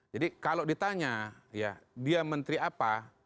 jadi kalau ditanya dia menteri apa